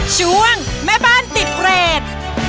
ช่วงแม่บ้านติดเรท